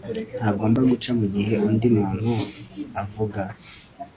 Ntugomba guca mugihe undi muntu avuga